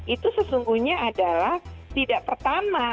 itu sesungguhnya adalah tidak pertama